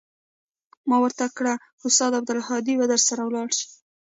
ما ورته كړه استاده عبدالهادي به درسره ولاړ سي.